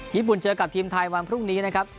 ญื่นเจอกับทีมไทยวันพรุ่งนี้นะครับ